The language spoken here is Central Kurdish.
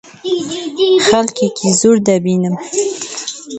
خەڵکێکی زۆر دەبینم.